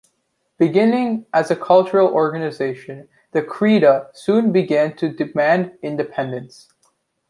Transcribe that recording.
Beginning as a cultural organisation, the Crida soon began to demand independence.